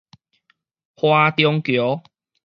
華中橋